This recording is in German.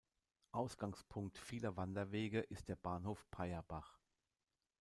Ausgangspunkt vieler Wanderwege ist der Bahnhof Payerbach.